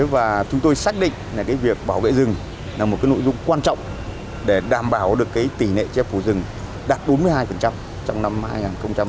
và chúng tôi xác định việc bảo vệ rừng là một nội dung quan trọng để đảm bảo được tỷ lệ che phủ rừng đạt bốn mươi hai trong năm mai